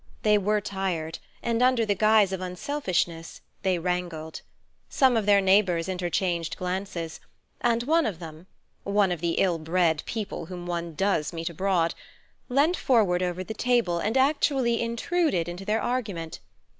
They were tired, and under the guise of unselfishness they wrangled. Some of their neighbours interchanged glances, and one of them—one of the ill bred people whom one does meet abroad—leant forward over the table and actually intruded into their argument.